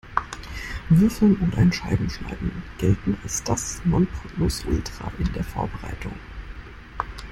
Würfeln oder in Scheiben schneiden gelten als das Nonplusultra in der Vorbereitung.